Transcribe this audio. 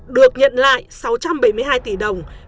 được nhận lại sáu trăm bảy mươi hai tỷ đồng